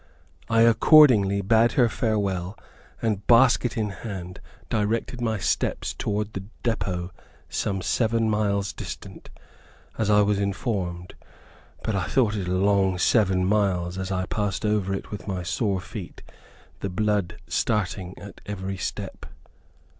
I accordingly bade her farewell, and, basket in hand, directed my steps toward the depot some seven miles distant, as I was informed; but I thought it a long seven miles, as I passed over it with my sore feet, the blood starting at every step.